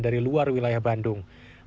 dari luar wilayah bandung